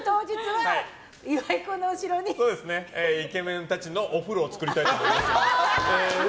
イケメンたちのお風呂を作りたいと思います。